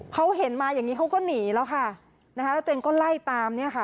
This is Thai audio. เขาเห็นมาอย่างนี้เขาก็หนีแล้วค่ะนะคะแล้วตัวเองก็ไล่ตามเนี่ยค่ะ